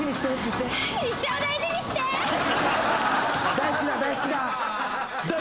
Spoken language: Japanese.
「大好きだ大好きだ」